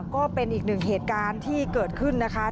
ก็เป็นอีกหนึ่งเหตุการณ์ที่เกิดขึ้นนะคะ